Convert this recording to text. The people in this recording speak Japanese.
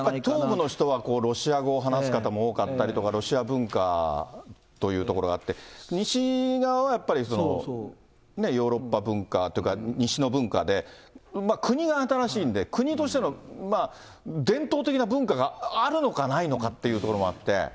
やっぱり東部の人はロシア語を話す人も多かったりとか、ロシア文化というところがあって、西側はやっぱりヨーロッパ文化というか、西の文化で、国が新しいんで、国としての伝統的な文化があるのかないのかっていうところもあって。